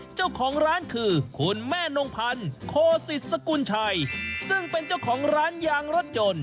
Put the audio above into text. เจ้าของร้านคือคุณแม่นงพันธ์โคศิษฐสกุลชัยซึ่งเป็นเจ้าของร้านยางรถยนต์